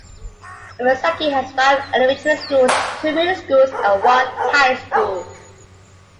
Omaezaki has five elementary schools, two middle schools and one high school.